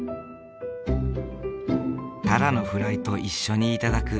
タラのフライと一緒に頂く。